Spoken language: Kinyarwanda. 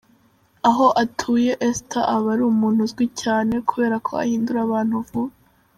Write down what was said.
Aho atuye Esther aba ari umuntu uzwi cyane kubera ko ahindura bantu vuba.